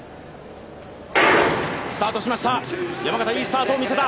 スタートしました。